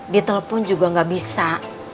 ditelepon juga nggak bisa